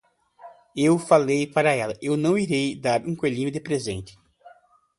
Eu falei para ela, eu não irei dar um coelhinho de presente.